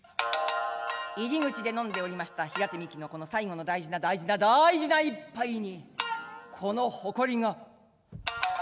入り口で飲んでおりました平手造酒の最後の大事な大事な大事な一杯にこの埃が。